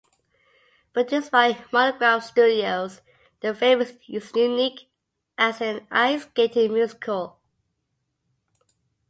Produced by Monogram Studios, the film is unique as an ice skating musical.